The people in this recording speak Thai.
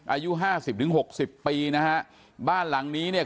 อายุห้าสิบถึงหกสิบปีนะฮะบ้านหลังนี้เนี่ย